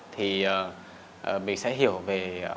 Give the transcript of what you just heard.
thì mình sẽ hiểu về